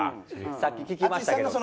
さっき聞きましたけど。